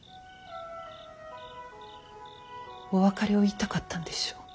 お別れを言いたかったんでしょう。